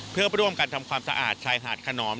เพื่อร่วมกันทำความสะอาดชายหาดขนอม